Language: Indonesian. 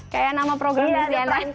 kayak nama programnya sih yang lain